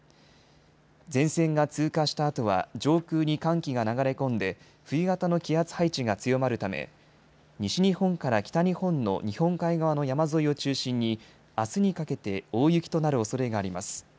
前線が通過したあとは上空に寒気が流れ込んで冬型の気圧配置が強まるため西日本から北日本の日本海側の山沿いを中心にあすにかけて大雪となるおそれがあります。